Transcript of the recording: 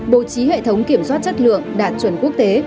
bộ trí hệ thống kiểm soát chất lượng đạt chuẩn quốc tế